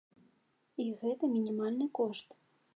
І гэта мінімальны кошт.